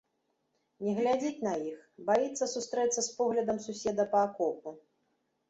Не глядзіць на іх, баіцца сустрэцца з поглядам суседа па акопу.